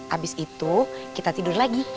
habis itu kita tidur lagi